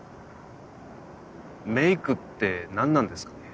メイクって何なんですかね。